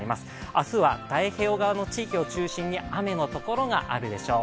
明日は太平洋側の地域を中心に雨のところがあるでしょう。